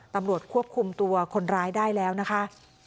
ตำรวจควบคุมตัวคนร้ายได้แล้วนะคะ